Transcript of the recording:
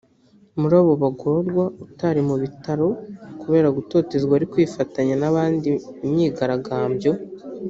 murabo bagororwa utari mu bitaro kubera gutotezwa ari kwifatanya n’abandi imyigaragambyo